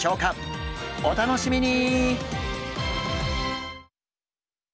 お楽しみに！